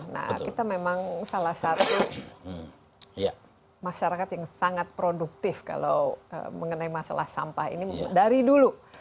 nah kita memang salah satu masyarakat yang sangat produktif kalau mengenai masalah sampah ini dari dulu